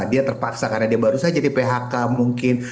dia terpaksa karena dia baru saja di phk mungkin